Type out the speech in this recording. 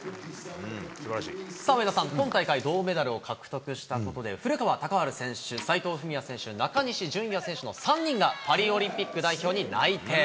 さあ、上田さん、今大会銅メダルを獲得したことで、古川高晴選手、斉藤史弥選手、中西絢哉選手の３人がパリオリンピック代表に内定。